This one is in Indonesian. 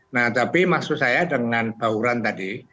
nah tapi maksud saya dengan bauran tadi